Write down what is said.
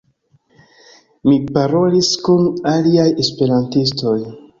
Mi parolis kun aliaj Esperantistoj